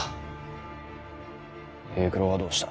平九郎はどうした？